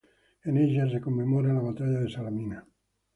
En ella se conmemoraba la batalla de Salamina.